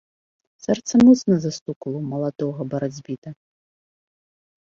Сэрца моцна застукала ў маладога барацьбіта.